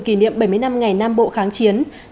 kỷ niệm bảy mươi năm ngày nam bộ kháng chiến